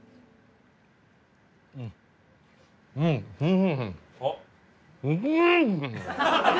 うんうん！